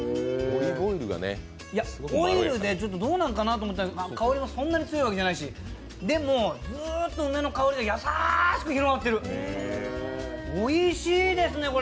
いや、オイルでちょっとどうなのかなと思ったんだけど、香りがそんな強いわけでもないしでも、ずっと梅の香りが優しく広がっている、おいしいですね。